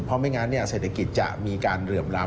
เพราะไม่งั้นเศรษฐกิจจะมีการเหลื่อมล้ำ